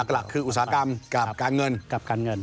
หลักคืออุตสาหกรรมกับการเงิน